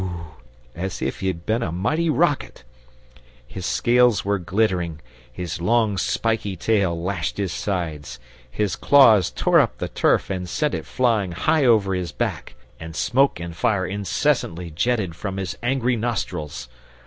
as if he had been a mighty rocket! His scales were glittering, his long spiky tail lashed his sides, his claws tore up the turf and sent it flying high over his back, and smoke and fire incessantly jetted from his angry nostrils.